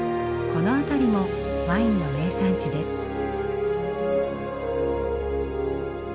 この辺りもワインの名産地です。